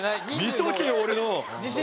見とけよ俺のを！